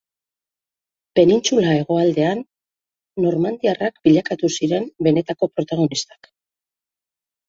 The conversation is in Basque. Penintsula hegoaldean normandiarrak bilakatu ziren benetako protagonistak.